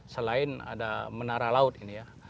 selain ada menara laut ini ya